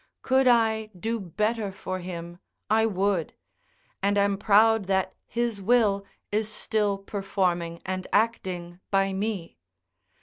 Could I do better for him, I would; and am proud that his will is still performing and acting by me.